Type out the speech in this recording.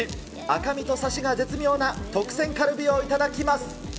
赤身とサシが絶妙な特選カルビを頂きます。